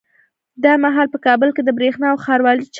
دا مهال په کابل کي د برېښنا او ښاروالۍ چارو ماهر